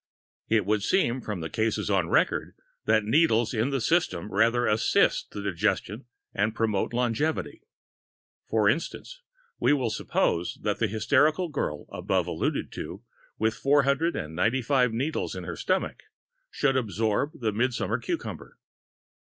It would seem, from the cases on record, that needles in the system rather assist in the digestion and promote longevity. For instance, we will suppose that the hysterical girl above alluded to, with 495 needles in her stomach, should absorb the midsummer cucumber.